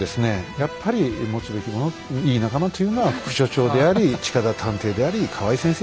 やっぱり持つべきものいい仲間というのは副所長であり近田探偵であり河合先生であります。